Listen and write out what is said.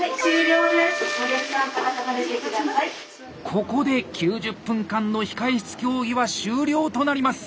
ここで９０分間の「控え室競技」は終了となります。